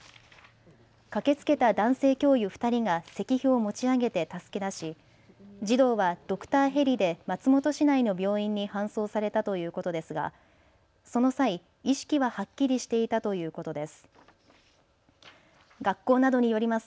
駆けつけた男性教諭２人が石碑を持ち上げて助け出し児童はドクターヘリで松本市内の病院に搬送されたということですがその際、意識ははっきりしていたということです。